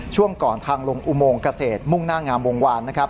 ช่วงก่อนทางลงอุโมงเกษตรมุ่งหน้างามวงวานนะครับ